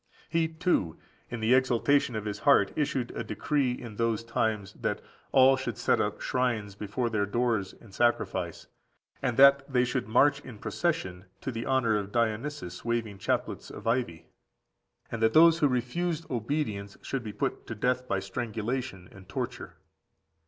He, too, in the exaltation of his heart, issued a decree in those times, that "all should set up shrines before their doors, and sacrifice, and that they should march in procession to the honour of Dionysus, waving chaplets of ivy;" and that those who refused obedience should be put to death by strangulation and torture.